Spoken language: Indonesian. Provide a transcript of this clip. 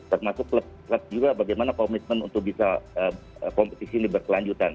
termasuk klub klub juga bagaimana komitmen untuk bisa kompetisi ini berkelanjutan